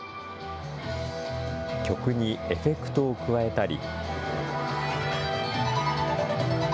曲にエフェクトを加えたり。